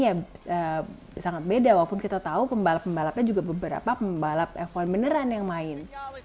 ya sangat beda walaupun kita tahu pembalap pembalapnya juga beberapa pembalap f satu beneran yang main